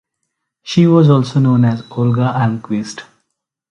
She was also known as Olga Almquist.